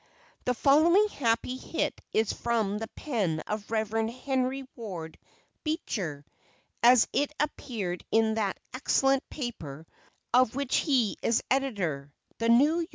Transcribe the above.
The following happy hit is from the pen of Rev. HENRY WARD BEECHER as it appeared in that excellent paper of which he is editor, the N. Y.